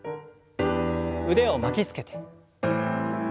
腕を巻きつけて。